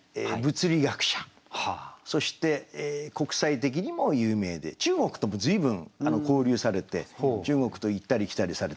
そして国際的にも有名で中国とも随分交流されて中国と行ったり来たりされてましたね。